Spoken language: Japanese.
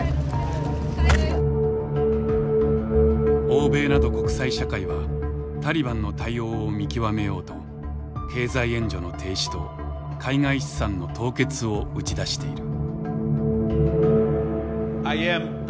欧米など国際社会はタリバンの対応を見極めようと経済援助の停止と海外資産の凍結を打ち出している。